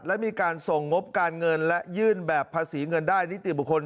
และมีการส่งงบการเงินและยื่นแบบภาษีเงินได้นิติบุคคล